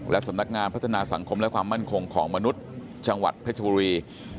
และสำนักงานพัฒนาสังคมและความมั่นคงของมนุษย์จังหวัดเพชรบุรี